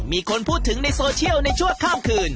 มีคนพูดถึงในโซเชียลในชั่วข้ามคืน